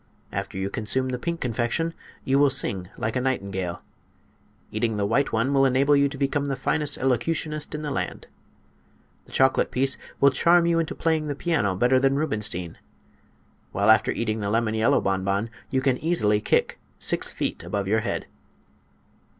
After you consume the pink confection you will sing like a nightingale. Eating the white one will enable you to become the finest elocutionist in the land. The chocolate piece will charm you into playing the piano better than Rubenstein, while after eating the lemon yellow bonbon you can easily kick six feet above your head."